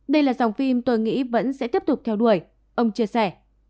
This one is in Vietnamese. đây là dòng phim tôi nghĩ vẫn sẽ tiếp tục theo đuổi ông chia sẻ